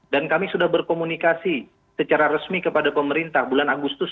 dan kami sudah berkomunikasi secara resmi kepada pemerintah bulan agustus dua ribu dua puluh